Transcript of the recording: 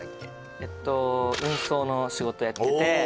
えっと運送の仕事やってておお！